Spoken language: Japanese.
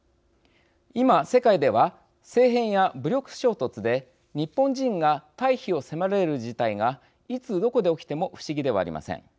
今世界では政変や武力衝突で日本人が退避を迫られる事態がいつどこで起きても不思議ではありません。